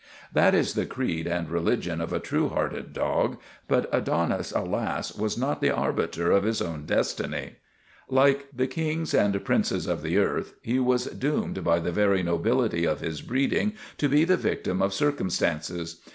That is the creed and religion of a true hearted THE RETURN OF THE CHAMPION 299 dog, but Adonis, alas, was not the arbiter of his own destiny. Like the kings and princes of the earth he was doomed by the very nobility of his breeding to be the victim of circumstances.